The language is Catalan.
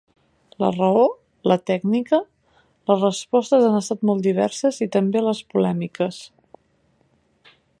La raó? La tècnica? Les respostes han estat molt diverses i també les polèmiques.